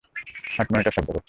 Heart monitor শব্দ করছে!